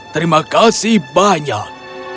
terima kasih banyak